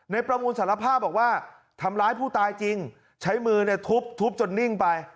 ประมูลสารภาพบอกว่าทำร้ายผู้ตายจริงใช้มือเนี่ยทุบทุบจนนิ่งไป